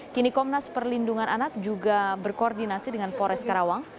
kini komnas perlindungan anak juga berkoordinasi dengan pores karawang